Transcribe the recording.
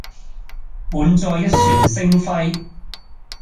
滿載一船星輝